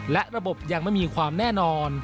และระบบยังไม่มีความแน่นอน